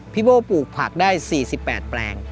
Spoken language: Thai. โบ้ปลูกผักได้๔๘แปลง